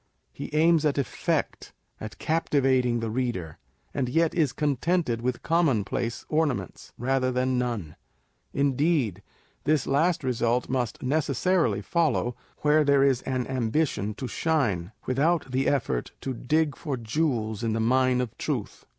He aims at effect, at captivating the reader, and yet is con tented with commonplace ornaments, rather than none. Indeed, this last result must necessarily follow, where there is an ambition to shine, without the effort to dig for jewels in the mine of truth.